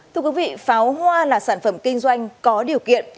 thưa quý vị pháo hoa là sản phẩm kinh doanh có điều kiện